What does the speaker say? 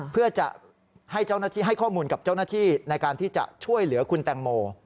เพื่อจะให้เจ้าหน้าที่ให้ข้อมูลกับเจ้าหน้าที่ในการที่จะช่วยเหลือคุณแตงโม